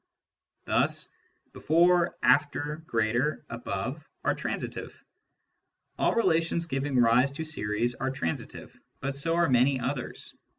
Thus before^ after^ greater^ above are transitive. All relations giving rise to series are transi tive, but so are many others.